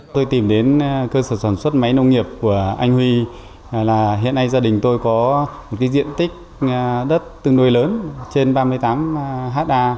tôi tìm đến cơ sở sản xuất máy nông nghiệp của anh huy là hiện nay gia đình tôi có một diện tích đất tương đối lớn trên ba mươi tám ha